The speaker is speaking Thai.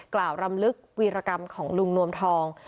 กรำลึกวีรกรรมของลุงนวมทอง